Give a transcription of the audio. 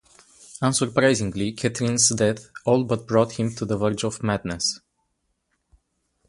Unsurprisingly, Catherine's death all but brought him to the verge of madness.